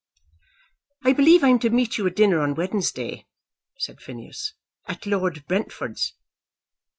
"I believe I am to meet you at dinner on Wednesday," said Phineas, "at Lord Brentford's."